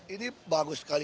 ini bagus sekali